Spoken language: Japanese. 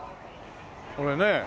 これね。